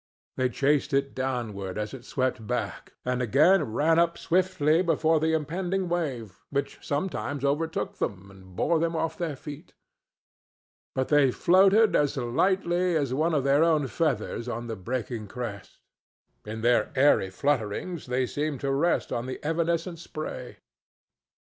They chased it downward as it swept back, and again ran up swiftly before the impending wave, which sometimes overtook them and bore them off their feet. But they floated as lightly as one of their own feathers on the breaking crest. In their airy flutterings they seemed to rest on the evanescent spray.